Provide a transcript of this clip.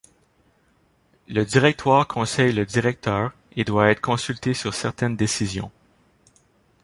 Le directoire conseille le directeur et doit être consulté sur certaines décisions.